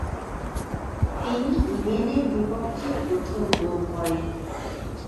তিনি ইয়েমেনের বিপক্ষে প্রথম গোল করেন।